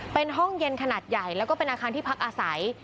เป็นห้องเย็นขนาดใหญ่แล้วก็เป็นอาคารที่พักอาศัย